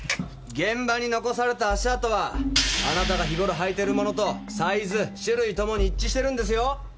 現場に残された足跡はあなたが日頃履いているものとサイズ種類ともに一致してるんですよ。